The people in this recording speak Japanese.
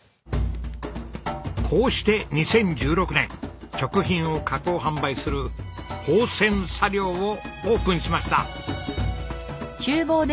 こうして２０１６年食品を加工販売する芳泉茶寮をオープンしました。